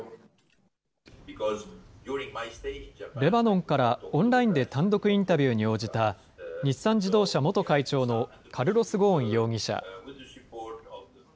レバノンからオンラインで単独インタビューに応じた、日産自動車元会長のカルロス・ゴーン容疑者。